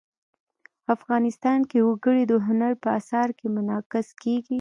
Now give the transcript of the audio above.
افغانستان کې وګړي د هنر په اثار کې منعکس کېږي.